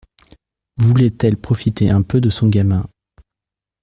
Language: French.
Voulait-elle profiter un peu de son gamin